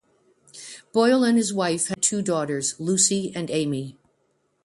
Boyle and his wife had two daughters, Lucy and Amy.